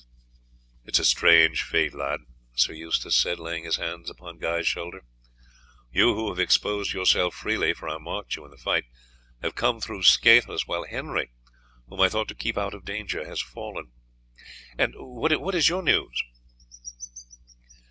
"It is a strange fate, lad," Sir Eustace said, laying his hand upon Guy's shoulder. "You who have exposed yourself freely for I marked you in the fight have come through scatheless, while Henry, whom I thought to keep out of danger, has fallen. And what is your news?"